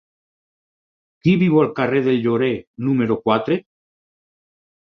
Qui viu al carrer del Llorer número quatre?